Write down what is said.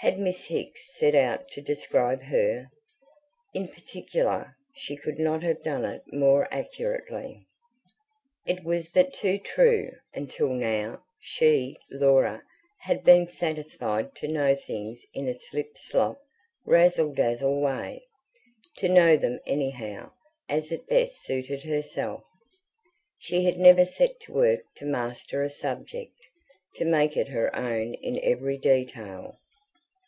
Had Miss Hicks set out to describe HER, in particular, she could not have done it more accurately. It was but too true: until now, she, Laura, had been satisfied to know things in a slipslop, razzle dazzle way, to know them anyhow, as it best suited herself. She had never set to work to master a subject, to make it her own in every detail.